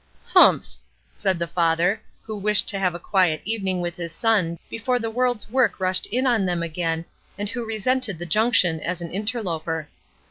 "Humph!" said the father, who wished to have a quiet evening with his son before the world's work rushed in on them again, and who resented the junction as an interloper.